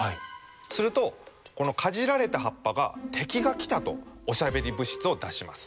するとこのかじられた葉っぱが「敵が来た！」とおしゃべり物質を出します。